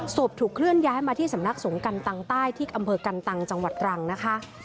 ถูกเคลื่อนย้ายมาที่สำนักสงกันตังใต้ที่อำเภอกันตังจังหวัดตรังนะคะ